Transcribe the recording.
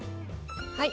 はい。